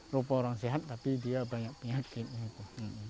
rupa orang sehat tapi dia banyak penyakitnya itu